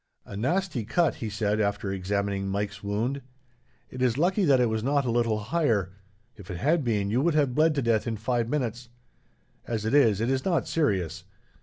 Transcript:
"A nasty cut," he said, after examining Mike's wound. "It is lucky that it was not a little higher. If it had been, you would have bled to death in five minutes. As it is, it is not serious.